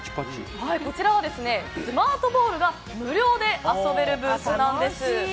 こちらはスマートボールが無料で遊べるブースなんです。